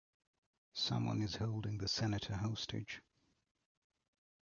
Someone is holding the Senator hostage.